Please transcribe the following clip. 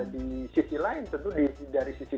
di sisi lain tentu dari sisi